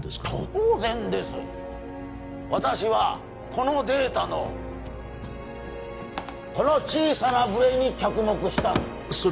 当然です私はこのデータのこの小さなブレに着目したんだ